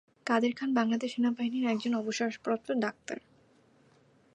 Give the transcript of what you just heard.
কাদের খান বাংলাদেশ সেনাবাহিনীর একজন অবসরপ্রাপ্ত ডাক্তার।